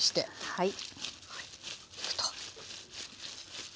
はい。